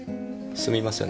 すみません！